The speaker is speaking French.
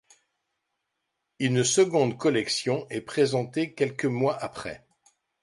Une seconde collection est présentée quelques mois après.